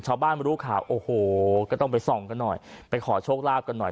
มารู้ข่าวโอ้โหก็ต้องไปส่องกันหน่อยไปขอโชคลาภกันหน่อย